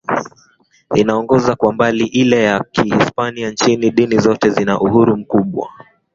inaongoza kwa mbali ile ya Kihispania Nchini dini zote zina uhuru mkubwa